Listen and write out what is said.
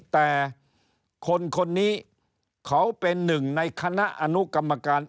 แต่คนคนนี้เขาเป็นหนึ่งในคณะอนุกรรมการ